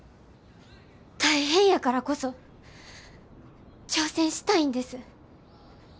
大変やからこそ挑戦したいんです。